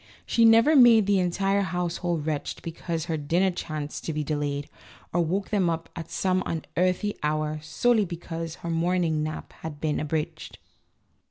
She never made the entire household wretched be cause her dinner chanced to be delayed, or woke them up at some unearthly hour solely because her morning nap had been abridged.